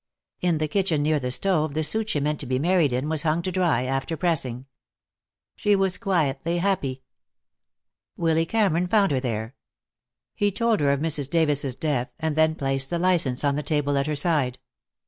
In the kitchen near the stove the suit she meant to be married in was hung to dry, after pressing. She was quietly happy. Willy Cameron found her there. He told her of Mrs. Davis' death, and then placed the license on the table at her side.